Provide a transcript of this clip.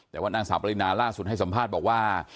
แต่ว่านางสาวปรินาทางพนักงานสอบสวนล่าสุดให้สัมภาษณ์บอกว่า